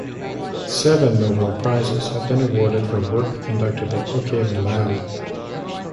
Seven Nobel prizes have been awarded for work conducted at Brookhaven lab.